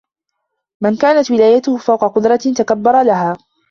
مَنْ كَانَتْ وِلَايَتُهُ فَوْقَ قُدْرَةٍ تَكَبَّرَ لَهَا